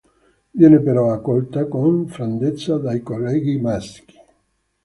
Viene però accolta con freddezza dai colleghi maschi.